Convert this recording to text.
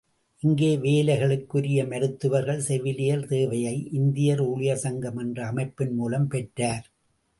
இந்த வேலைகளுக்குரிய மருத்துவர்கள், செவிலியர் தேவையை, இந்தியர் ஊழியர் சங்கம் என்ற அமைப்பின் மூலம் பெற்றார்.